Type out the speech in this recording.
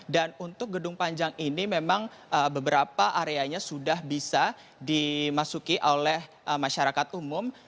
dan untuk gedung panjang ini memang beberapa areanya sudah bisa dimasuki oleh masyarakat umum